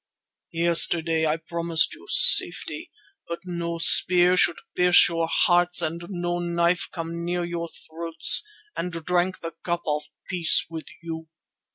Yesterday I promised you safety, that no spear should pierce your hearts and no knife come near your throats, and drank the cup of peace with you.